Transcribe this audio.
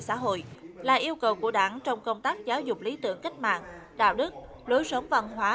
xã hội là yêu cầu của đảng trong công tác giáo dục lý tưởng cách mạng đạo đức lối sống văn hóa